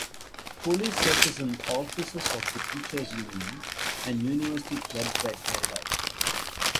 Police searches in offices of the teachers' union and university clubs were carried out.